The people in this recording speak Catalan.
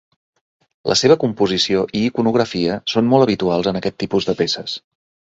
La seva composició i iconografia són molt habituals en aquest tipus de peces.